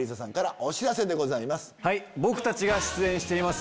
僕たちが出演しています